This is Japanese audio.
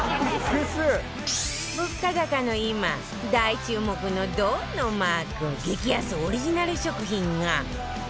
物価高の今大注目の「ド」のマーク激安オリジナル食品が